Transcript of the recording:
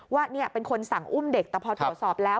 ว่าเป็นคนสั่งอุ้มเด็กแต่พอตรวจสอบแล้ว